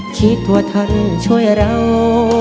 คิดว่าท่านช่วยเรา